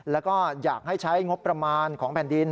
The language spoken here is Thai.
แล้วก็อยากให้ใช้งบประมาณของแผ่นดิน